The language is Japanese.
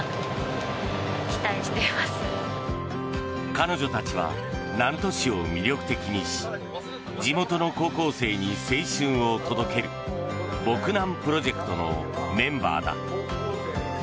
彼女たちは南砺市を魅力的にし地元の高校生たちに青春を届けるボクなんプロジェクトのメンバーだ。